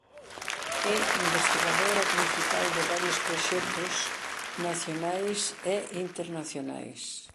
É investigadora principal de varios proxectos nacionais e internacionais.